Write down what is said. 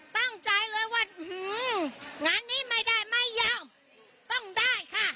ตั้งใจเลยว่างานนี้ไม่ได้ไม่ยอมต้องได้ค่ะ